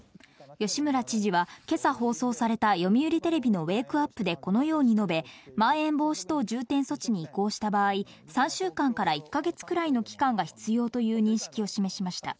吉村知事はけさ放送された、読売テレビのウェークアップでこのように述べ、まん延防止等重点措置に移行した場合、３週間から１か月くらいの期間が必要という認識を示しました。